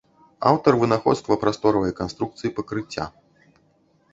Аўтар вынаходства прасторавай канструкцыі пакрыцця.